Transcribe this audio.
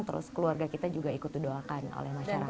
terus keluarga kita juga ikut didoakan oleh masyarakat